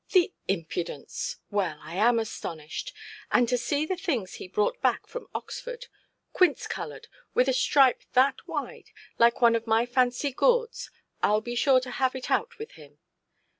"The impudence! Well, I am astonished. And to see the things he brought back from Oxford—quince–coloured, with a stripe that wide, like one of my fancy gourds. Iʼll be sure to have it out with him.